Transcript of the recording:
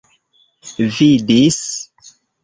vidis